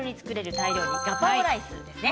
タイ料理ガパオライスですね。